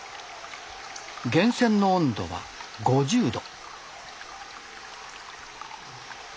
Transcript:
源泉の温度は５０℃。